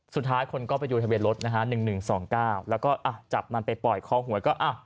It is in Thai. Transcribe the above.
สุดท้ายคนก็ไปดูทะเบียนรถนะฮะ๑๑๒๙แล้วก็จับมันไปปล่อยคอหวยก็